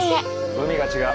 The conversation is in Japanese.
海が違う。